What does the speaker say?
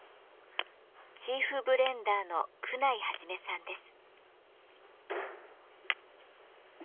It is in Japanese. チーフブレンダーの久内一さんです。